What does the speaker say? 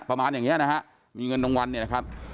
ประมาณอย่างนี้นะฮะมีเงินรางวัลเนี่ยนะครับ